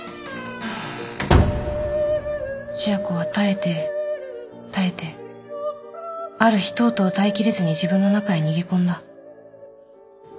千夜子は耐えて耐えてある日とうとう耐えきれずに自分の中へ逃げ込んだ。